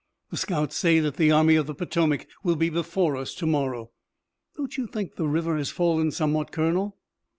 The scouts say that the Army of the Potomac will be before us to morrow. Don't you think the river has fallen somewhat, Colonel?"